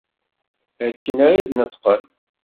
Akken ara d-neṭqen.